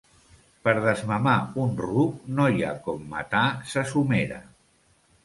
Per desmamar un ruc, no hi ha com matar sa somera.